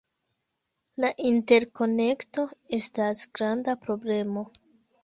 La interkonekto estas granda problemo.